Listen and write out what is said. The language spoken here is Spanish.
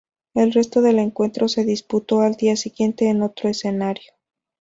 El resto del encuentro se disputó al día siguiente en otro escenario.